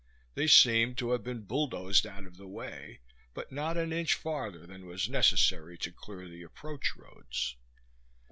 They seemed to have been bulldozed out of the way, but not an inch farther than was necessary to clear the approach roads.